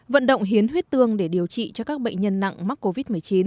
vận động hiến huyết tương để điều trị cho các bệnh nhân nặng mắc covid một mươi chín